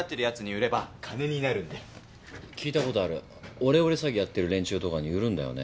オレオレ詐欺やってる連中とかに売るんだよね。